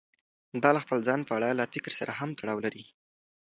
دا له خپل ځان په اړه له فکر سره هم تړاو لري.